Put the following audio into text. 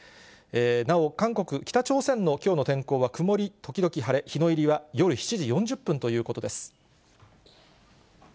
なお、韓国、北朝鮮のきょうの天候は曇り時々晴れ、日の入りは夜７時４０分ということです。